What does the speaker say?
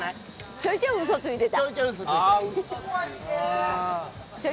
ちょいちょい嘘ついてた。